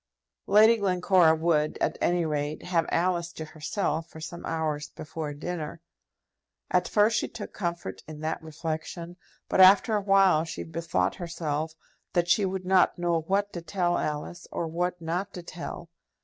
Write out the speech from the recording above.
Lady Glencora would, at any rate, have Alice to herself for some hours before dinner. At first she took comfort in that reflection; but after a while she bethought herself that she would not know what to tell Alice, or what not to tell.